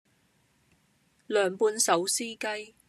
涼拌手撕雞